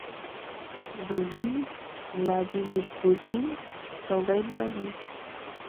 Dugin, Vladimir Putin, Soleimani